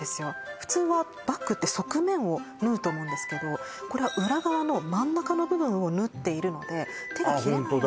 普通はバッグって側面を縫うと思うんですけどこれは裏側の真ん中の部分を縫っているので手が切れないあっ